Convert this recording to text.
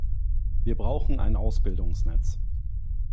Wir brauchen ein Ausbildungsnetz.